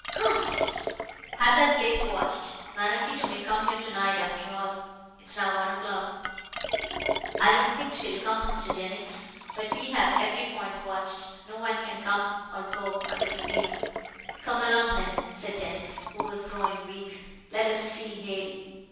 "Humph! Have that place watched. Maraquito may come here to night after all. It is now one o'clock." "I don't think she'll come, Mr. Jennings. But we have every point watched. No one can come or go unless we know." "Come along then," said Jennings, who was growing weak, "let us see Hale.